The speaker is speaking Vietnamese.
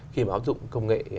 khi mà áp dụng công nghệ